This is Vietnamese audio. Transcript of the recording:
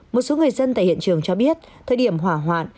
một số người dân tại hiện trường cho biết thời điểm hỏa hoạn